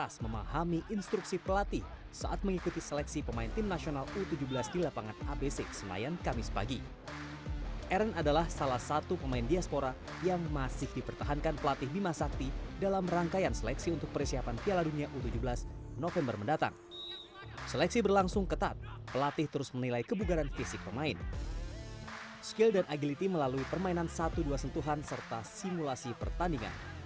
skill dan agility melalui permainan satu dua sentuhan serta simulasi pertandingan